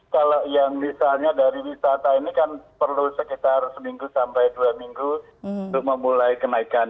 kalau yang misalnya dari wisata ini kan perlu sekitar seminggu sampai dua minggu untuk memulai kenaikan